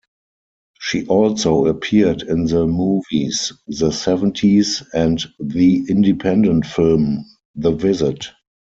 She also appeared in the movies "The Seventies" and the independent film "The Visit".